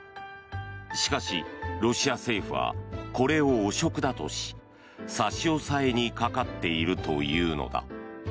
しかし、ロシア政府はこれを汚職だとし差し押さえにかかっているというのだ。